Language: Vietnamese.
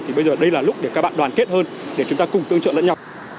thì bây giờ đây là lúc để các bạn đoàn kết hơn để chúng ta cùng tương trợ lẫn nhau